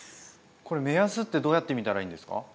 これ目安ってどうやって見たらいいんですか？